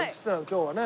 今日はね。